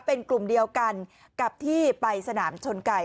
เป็นกลุ่มเดียวกันกับที่ไปสนามชนไก่